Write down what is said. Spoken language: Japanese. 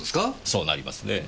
そうなりますねえ。